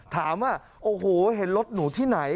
ถามว่าโอ้โหเห็นรถหนูที่ไหน